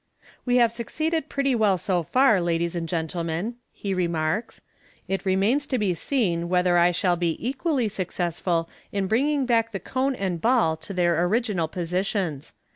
" We have succeeded pretty well so far, ladies and gentlemen," he remarks j " it remains to be seen whether T shall be equally successful in bringing back the cone and ball to their original positions.